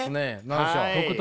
何でしょう？